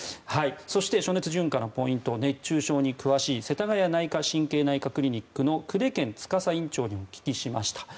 そして、暑熱順化のポイント熱中症に詳しいせたがや内科・神経内科クリニックの久手堅司院長にお聞きしました。